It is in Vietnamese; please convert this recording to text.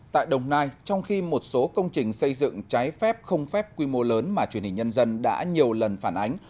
tại đồng nai trong khi một số công trình xây dựng trái phép không phép quy mô lớn mà truyền hình nhân dân đã nhiều lần phản ánh